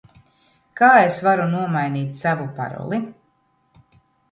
Kā es varu nomainīt savu paroli?